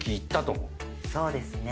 そうですね。